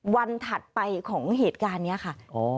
ถัดไปของเหตุการณ์นี้ค่ะ